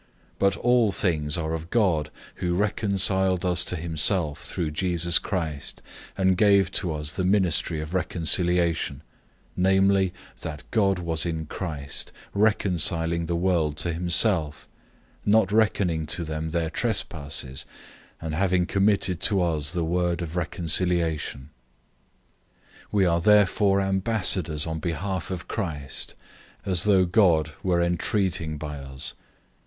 005:018 But all things are of God, who reconciled us to himself through Jesus Christ, and gave to us the ministry of reconciliation; 005:019 namely, that God was in Christ reconciling the world to himself, not reckoning to them their trespasses, and having committed to us the word of reconciliation. 005:020 We are therefore ambassadors on behalf of Christ, as though God were entreating by us.